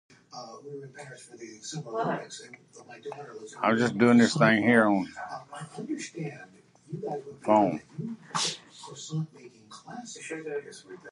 Frye's landing the high-profile title did not pass without critical comment.